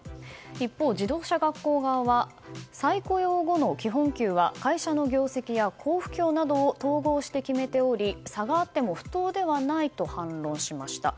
一方、自動車学校側は再雇用後の基本給は会社の業績や好不況などを統合して決めており差があっても不当ではないと反論しました。